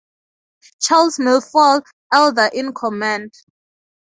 Charles Milford Elder in command.